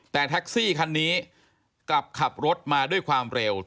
แต่แท็กซี่คันนี้กลับขับรถมาด้วยความเร็ว